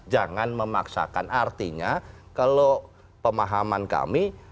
jangan memaksakan artinya kalau pemahaman kami